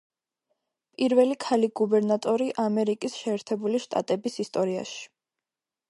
პირველი ქალი გუბერნატორი ამერიკის შეერთებული შტატების ისტორიაში.